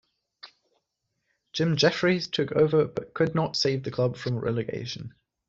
Jim Jefferies took over but could not save the club from relegation.